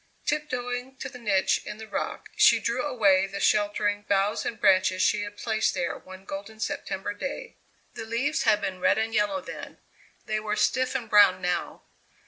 Tiptoeing to the niche in the rock she drew away the sheltering boughs and branches she had placed there one golden September day. The leaves had been red and yellow then; they were stiff and brown now.